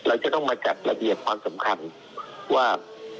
เราจะต้องมาจัดระเบียบความสำคัญว่า